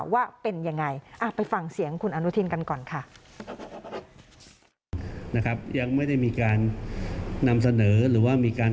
ว่าเป็นยังไงไปฟังเสียงคุณอนุทินกันก่อนค่ะ